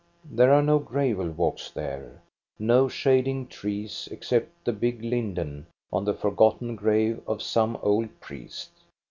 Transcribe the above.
There are no gravel walks there, no shading trees except the big linden on the forgotten grave of some old priest.